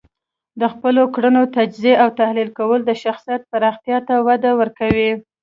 د خپلو کړنو تجزیه او تحلیل کول د شخصیت پراختیا ته وده ورکوي.